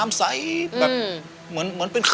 แล้วทีนี้กินยาซึมเศร้าก็ไม่เป็นผล